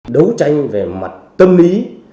đấu tranh về mặt tâm lý